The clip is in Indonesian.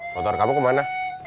tutur kamu kemana